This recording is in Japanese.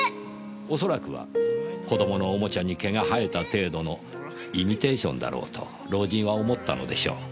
おそらくは子供のおもちゃに毛が生えた程度のイミテーションだろうと老人は思ったのでしょう。